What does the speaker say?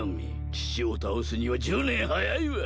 父を倒すには１０年早いわ。